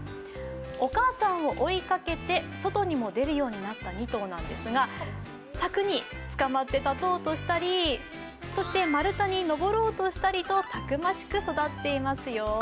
お母さんを追いかけて、外に出ようとしたり柵につかまって立とうとしたり丸太に上ろうとしたりと、たくましく育っていますよ。